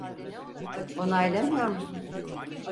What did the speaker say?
Onaylamıyor musun?